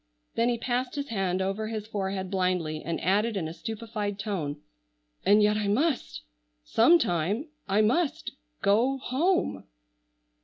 Then he passed his hand over his forehead blindly, and added, in a stupefied tone, "and yet I must—sometime—I must—go—home!"